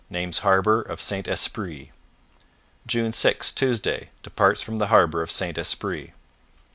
Names harbour of St Esprit. " 6 Tuesday Departs from the harbour of St Esprit.